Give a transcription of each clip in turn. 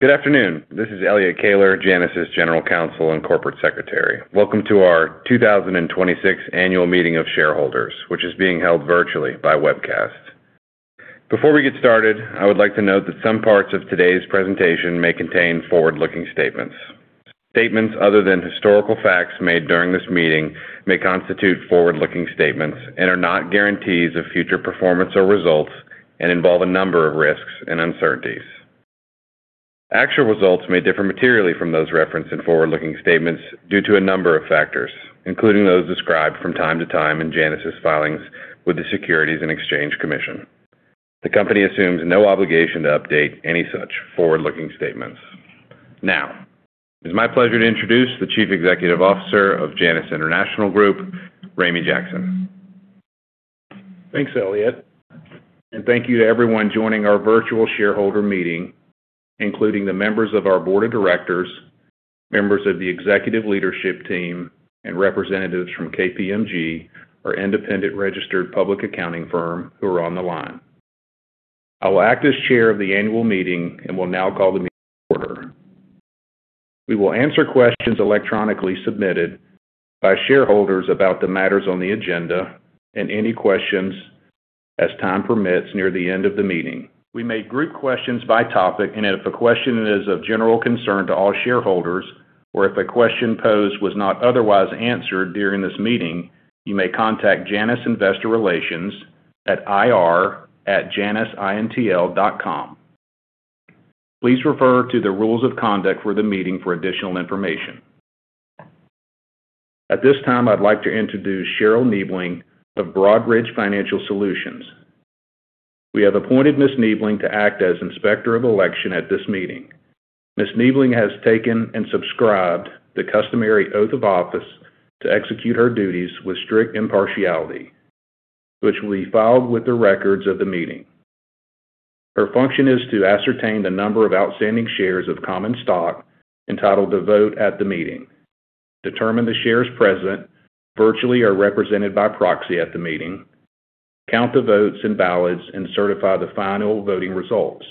Good afternoon. This is Elliot Kahler, Janus General Counsel and Corporate Secretary. Welcome to our 2026 annual meeting of shareholders, which is being held virtually by webcast. Before we get started, I would like to note that some parts of today's presentation may contain forward-looking statements. Statements other than historical facts made during this meeting may constitute forward-looking statements and are not guarantees of future performance or results and involve a number of risks and uncertainties. Actual results may differ materially from those referenced in forward-looking statements due to a number of factors, including those described from time to time in Janus' filings with the Securities and Exchange Commission. The company assumes no obligation to update any such forward-looking statements. Now, it's my pleasure to introduce the Chief Executive Officer of Janus International Group, Ramey Jackson. Thanks, Elliot. Thank you to everyone joining our virtual shareholder meeting, including the members of our board of directors, members of the executive leadership team, and representatives from KPMG, our independent registered public accounting firm who are on the line. I will act as chair of the annual meeting and will now call the meeting to order. We will answer questions electronically submitted by shareholders about the matters on the agenda and any questions as time permits near the end of the meeting. We may group questions by topic, and if a question is of general concern to all shareholders, or if a question posed was not otherwise answered during this meeting, you may contact Janus Investor Relations at ir@janusintl.com. Please refer to the rules of conduct for the meeting for additional information. At this time, I'd like to introduce Cheryl Niebling of Broadridge Financial Solutions. We have appointed Ms. Niebling to act as Inspector of Elections at this meeting. Ms. Niebling has taken and subscribed the customary oath of office to execute her duties with strict impartiality, which will be filed with the records of the meeting. Her function is to ascertain the number of outstanding shares of common stock entitled to vote at the meeting, determine the shares present virtually or represented by proxy at the meeting, count the votes and ballots, and certify the final voting results.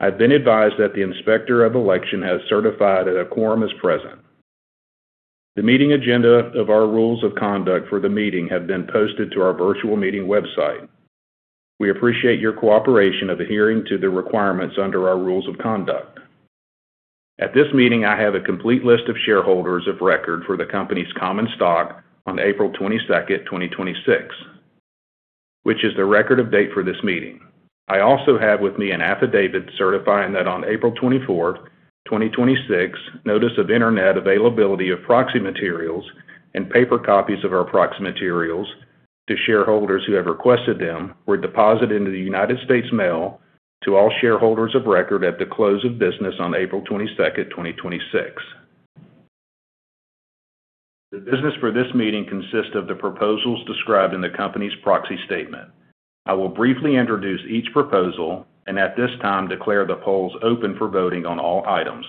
I've been advised that the Inspector of Elections has certified that a quorum is present. The meeting agenda of our rules of conduct for the meeting have been posted to our virtual meeting website. We appreciate your cooperation of adhering to the requirements under our rules of conduct. At this meeting, I have a complete list of shareholders of record for the company's common stock on April 22nd, 2026, which is the record of date for this meeting. I also have with me an affidavit certifying that on April 24, 2026, notice of internet availability of proxy materials and paper copies of our proxy materials to shareholders who have requested them were deposited into the United States mail to all shareholders of record at the close of business on April 22nd, 2026. The business for this meeting consists of the proposals described in the company's proxy statement. I will briefly introduce each proposal and at this time declare the polls open for voting on all items.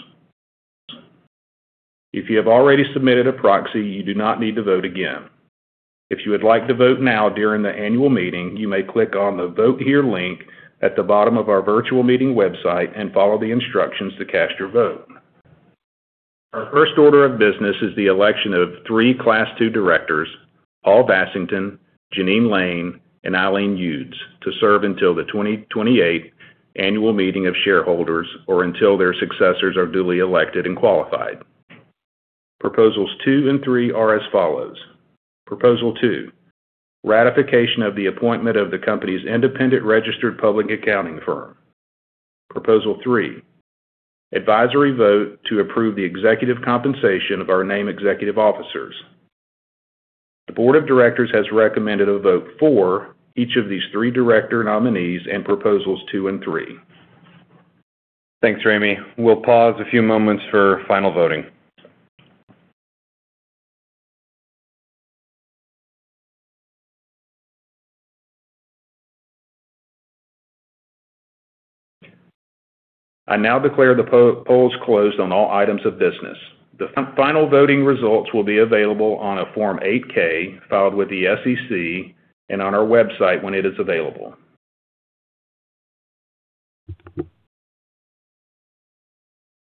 If you have already submitted a proxy, you do not need to vote again. If you would like to vote now during the annual meeting, you may click on the Vote Here link at the bottom of our virtual meeting website and follow the instructions to cast your vote. Our first order of business is the election of three Class II directors, Paul Vasington, Jeannine Lane, and Eileen Wadds, to serve until the 2028 annual meeting of shareholders or until their successors are duly elected and qualified. Proposals two and three are as follows. Proposal two, ratification of the appointment of the company's independent registered public accounting firm. Proposal three, advisory vote to approve the executive compensation of our named executive officers. The board of directors has recommended a vote for each of these three director nominees and proposals two and three. Thanks, Ramey. We'll pause a few moments for final voting. I now declare the polls closed on all items of business. The final voting results will be available on a Form 8-K filed with the SEC and on our website when it is available.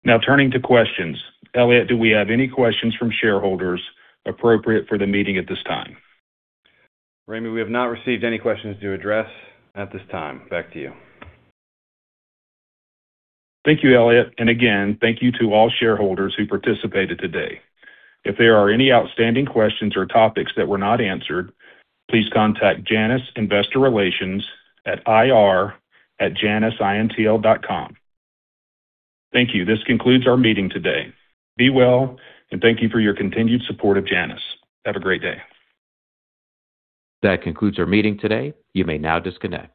Now turning to questions. Elliot, do we have any questions from shareholders appropriate for the meeting at this time? Ramey, we have not received any questions to address at this time. Back to you. Thank you, Elliot. Again, thank you to all shareholders who participated today. If there are any outstanding questions or topics that were not answered, please contact Janus Investor Relations at ir@janusintl.com. Thank you. This concludes our meeting today. Be well, thank you for your continued support of Janus. Have a great day. That concludes our meeting today. You may now disconnect.